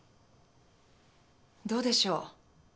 どうでしょう？